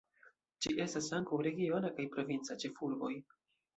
Ĝi estas ankaŭ regiona kaj provinca ĉefurboj.